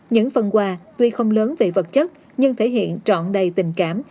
những phần quà tuy không lớn về vật chất nhưng thể hiện trọn đầy tình cảm